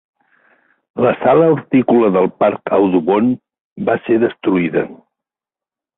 La sala hortícola del parc Audubon va ser destruïda.